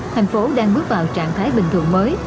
thành phố đang bước vào trạng thái bình thường mới